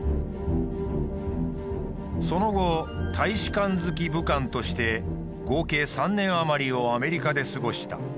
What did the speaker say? その後大使館付き武官として合計３年余りをアメリカで過ごした。